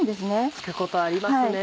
つくことありますね。